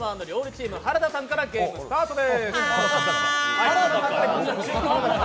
チーム原田さんからゲームスタートです。